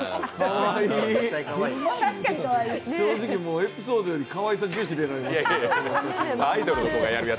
正直もうエピソードよりかわいさ重視で。